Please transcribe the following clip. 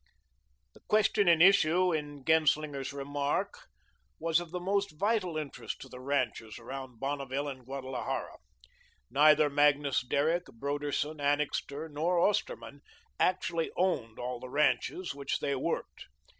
The question in issue in Genslinger's remark was of the most vital interest to the ranchers around Bonneville and Guadalajara. Neither Magnus Derrick, Broderson, Annixter, nor Osterman actually owned all the ranches which they worked.